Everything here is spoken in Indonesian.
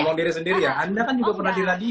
anda kan juga pernah di radio ya